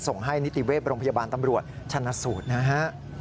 ส่งให้นิติเวศโรงพยาบาลตำรวจชนะสูตรนะฮะ